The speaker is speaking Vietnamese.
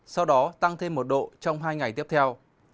sau đó tăng thêm một độ trong hai ngày tiếp theo